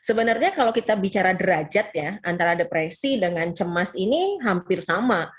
sebenarnya kalau kita bicara derajat ya antara depresi dengan cemas ini hampir sama